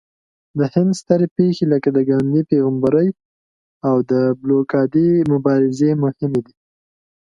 د هند سترې پېښې لکه د ګاندهي پیغمبرۍ او د بلوکادي مبارزې مهمې دي.